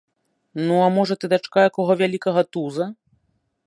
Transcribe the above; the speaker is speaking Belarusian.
Ну, а можа, ты дачка якога вялікага туза?